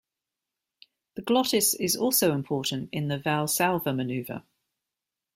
The glottis is also important in the valsalva maneuver.